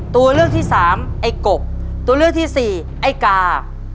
ตัวเลือกที่สามไอ้กบตัวเลือกที่สี่ไอ้กา